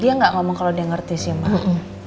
dia nggak ngomong kalau dia ngerti sih mbak